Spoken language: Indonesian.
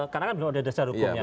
karena kan belum ada dasar hukumnya